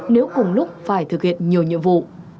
nếu cùng lúc phải thực hiện nhiều nhiệm vụ